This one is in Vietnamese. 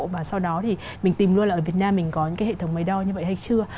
và sau đó thì mình tìm luôn là ở việt nam mình có những cái hệ thống máy đo như vậy hay chưa